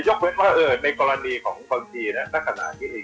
ยกเว้นว่าในกรณีของทางจีน